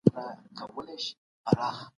ولي ځيني هیوادونه ویزه نه مني؟